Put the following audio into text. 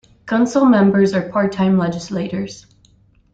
Council members are part-time legislators.